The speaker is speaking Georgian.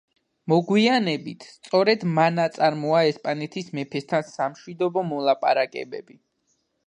მოგვიანებით, სწორედ მან აწარმოა ესპანეთის მეფესთან სამშვიდობო მოლაპარაკებები.